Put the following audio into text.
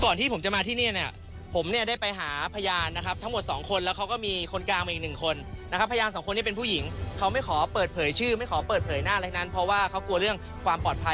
ที่ผมจะมาที่นี่เนี่ยผมเนี่ยได้ไปหาพยานนะครับทั้งหมดสองคนแล้วเขาก็มีคนกลางมาอีกหนึ่งคนนะครับพยานสองคนที่เป็นผู้หญิงเขาไม่ขอเปิดเผยชื่อไม่ขอเปิดเผยหน้าอะไรนั้นเพราะว่าเขากลัวเรื่องความปลอดภัย